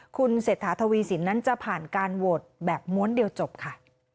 คุณเศรษฐาทวีสินนั้นจะผ่านการโหวตแบบม้วนเดียวจบค่ะ